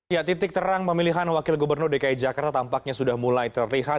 ya titik terang pemilihan wakil gubernur dki jakarta tampaknya sudah mulai terlihat